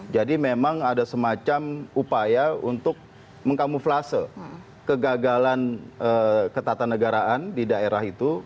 jadi memang ada semacam upaya untuk mengkamuflase kegagalan ketatanegaraan di daerah itu